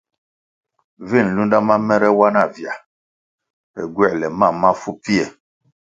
Vi nlunde ma mèrè wa na vya pe gywoēle mam mafu pfie.